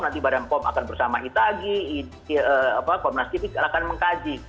nanti badan pom akan bersama itagi komnas kipik akan mengkaji